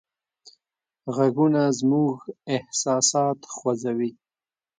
غږونه زموږ احساسات خوځوي.